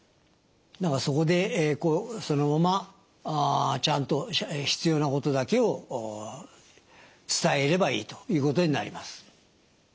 そこでそのままちゃんと必要なことだけを伝えればいいということになります。